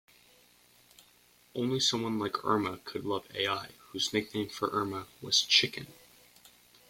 Only someone like Irma could love Al, whose nickname for Irma was "Chicken".